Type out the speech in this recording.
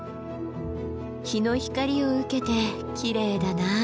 日の光を受けてきれいだな。